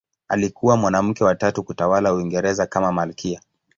Alikuwa mwanamke wa tatu kutawala Uingereza kama malkia.